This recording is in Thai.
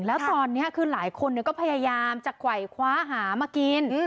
แล้วตอนนี้คือหลายคนก็พยายามจะไวคว้าหามากิน